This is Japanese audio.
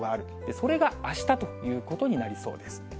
それがあしたということになりそうです。